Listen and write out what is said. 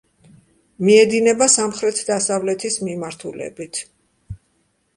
მიედინება სამხრეთ-დასავლეთის მიმართულებით.